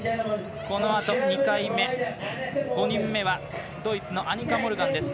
このあと２回目、５人目はドイツのアニカ・モルガン。